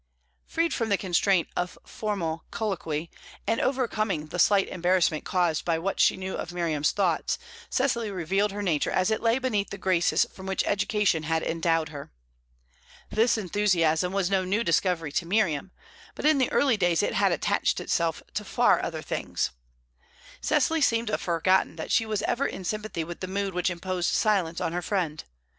Freed from the constraint of formal colloquy, and overcoming the slight embarrassment caused by what she knew of Miriam's thoughts, Cecily revealed her nature as it lay beneath the graces with which education had endowed her. This enthusiasm was no new discovery to Miriam, but in the early days it had attached itself to far other things. Cecily seemed to have forgotten that she was ever in sympathy with the mood which imposed silence on her friend.